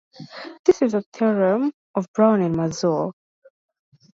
This is a theorem of Brown and Mazur.